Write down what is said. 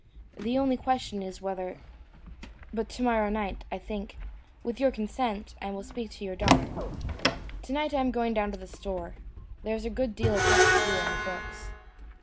The only question is, whether But to morrow night, I think, with your consent, I will speak to your daughter. To night I am going down to the store; there is a good deal of work to do on the books."